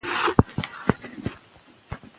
پي پي پي د تخصصي درملنې اړتیا لري.